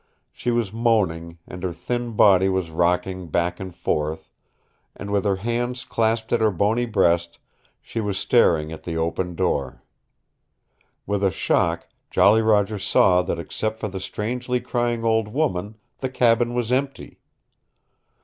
She was moaning, and her thin body was rocking back and forth, and with her hands clasped at her bony breast she was staring at the open door. With a shock Jolly Roger saw that except for the strangely crying old woman the cabin was empty.